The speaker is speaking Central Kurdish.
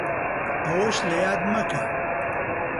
ئەوەش لەیاد مەکە